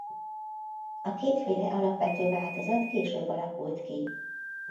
A kétféle alapvető változat később alakult ki.